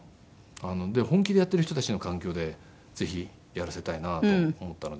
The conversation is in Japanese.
で本気でやってる人たちの環境でぜひやらせたいなと思ったので。